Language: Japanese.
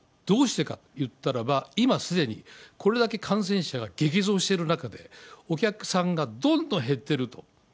どうしてかって言ったらば、今すでに、これだけ感染者が激増している中で、お客さんがどんどん減ってると。